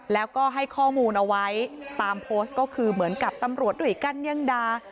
แล้วก็ให้ข้อมูลเอาไว้ตามโพสต์ก็คือเหมือนกับตำรวจด้วยกันยังด่า